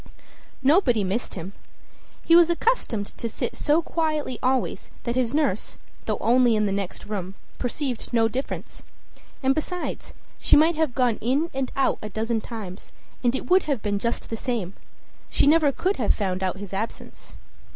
Nobody missed him. He was accustomed to sit so quietly always that his nurse, though only in the next room, perceived no difference. And besides, she might have gone in and out a dozen times, and it would have been just the same; she never could have found out his absence.